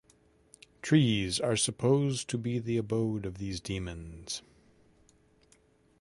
Trees are supposed to be the abode of these demons.